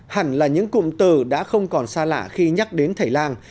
hẳn là những cụm từ đã không còn xa lạ khi nhắc đến thầy lang